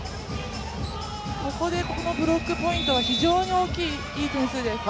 ここでこのブロックポイントは非常に大きいいい点数です。